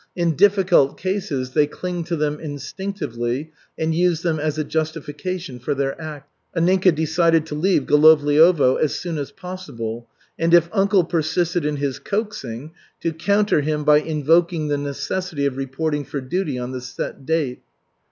In difficult cases they cling to them instinctively and use them as a justification for their acts. Anninka decided to leave Golovliovo as soon as possible, and if uncle persisted in his coaxing, to counter him by invoking the necessity of reporting for duty on the set date.